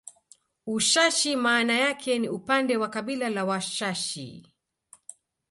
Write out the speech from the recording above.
Ushashi maana yake ni upande wa kabila la Washashi